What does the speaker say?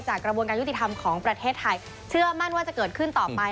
กระบวนการยุติธรรมของประเทศไทยเชื่อมั่นว่าจะเกิดขึ้นต่อไป